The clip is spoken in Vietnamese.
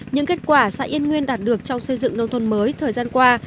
những kết quả xã yên nguyên đạt được trong xây dựng nông thôn mới thời gian qua